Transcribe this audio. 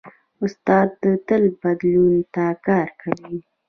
استاد تل بدلون ته کار کوي.